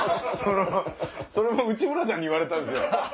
それも内村さんに言われたんすよ。